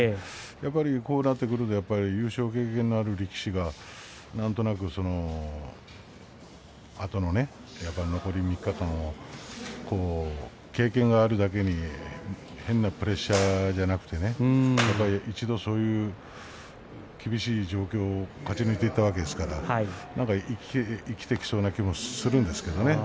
やっぱりこうなってくると優勝経験のある力士がなんとなく残り３日間を、経験があるだけに変なプレッシャーじゃなくてね一度そういう厳しい状況を勝ち抜いていたわけですから生きてきそうな気もするんですけどね。